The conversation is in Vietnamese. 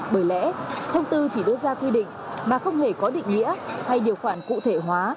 bởi lẽ thông tư chỉ đưa ra quy định mà không hề có định nghĩa hay điều khoản cụ thể hóa